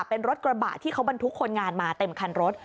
เป็นรถกระบะที่เขาบรรทุกคนงานมาเต็มคันรถ